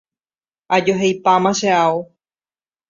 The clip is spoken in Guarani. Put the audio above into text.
Ajoheipáma che ao.